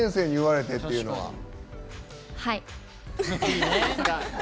はい。